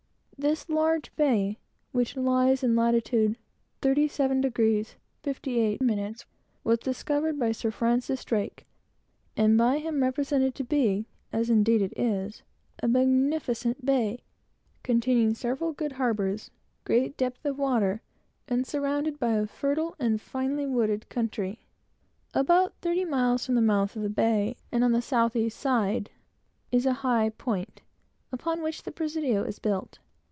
This large bay, which lies in latitude 37° 58', was discovered by Sir Francis Drake, and by him represented to be (as indeed it is) a magnificent bay, containing several good harbors, great depth of water, and surrounded by a fertile and finely wooded country. About thirty miles from the mouth of the bay, and on the south east side, is a high point, upon which the presidio is built.